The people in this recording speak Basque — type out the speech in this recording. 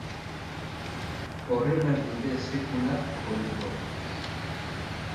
Horrela ez dute sekula hobetuko.